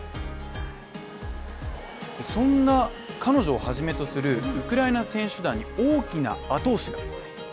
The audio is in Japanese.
そんな彼女をはじめとするウクライナ選手団に、大きな後押しが。